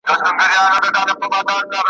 ملا وویل تعویذ درته لیکمه ,